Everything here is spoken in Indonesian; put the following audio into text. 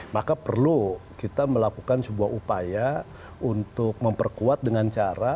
maka perlu kita melakukan sebuah upaya untuk memperkuat dengan cara